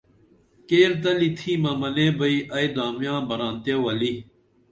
کیرتلی تِھمہ منے بئی ائی دامیاں برانتے ولی